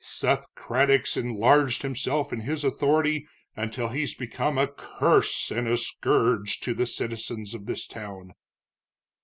Seth Craddock's enlarged himself and his authority until he's become a curse and a scourge to the citizens of this town."